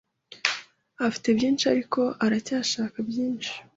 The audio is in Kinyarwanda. Afite byinshi ariko aracyashaka byinshi.